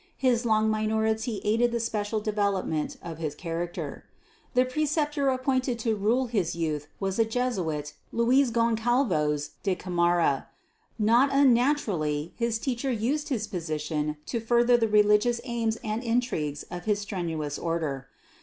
His long minority aided the special development of his character. The preceptor appointed to rule his youth was a Jesuit, Luiz Goncalvoz de Camara. Not unnaturally his teacher used his position to further the religious aims and intrigues of his strenuous Order.